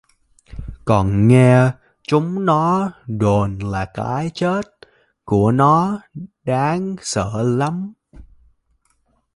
Còn nghe chúng nó đồn là cái chết của nó đáng sợ lắm